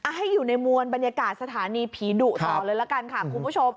ให้อยู่ในมวลบรรยากาศสถานีผีดุต่อเลยละกันค่ะคุณผู้ชม